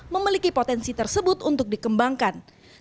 memiliki potensi tersebut untuk dikembangkan